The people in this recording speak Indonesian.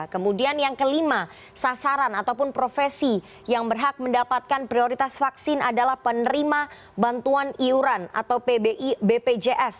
kemudian yang kelima sasaran ataupun profesi yang berhak mendapatkan prioritas vaksin adalah penerima bantuan iuran atau bpjs